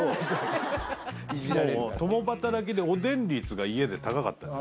共働きでおでん率が家で高かったんです。